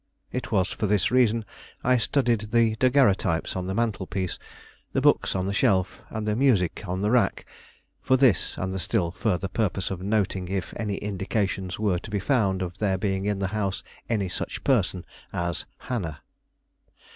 It was for this reason I studied the daguerreotypes on the mantel piece, the books on the shelf, and the music on the rack; for this and the still further purpose of noting if any indications were to be found of there being in the house any such person as Hannah.